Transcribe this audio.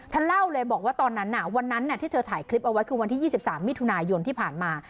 ท่านเล่าเลยบอกว่าตอนนั้นน่ะวันนั้นเนี้ยที่เธอถ่ายคลิปเอาไว้คือวันที่ยี่สิบสามมีธุนายนที่ผ่านมา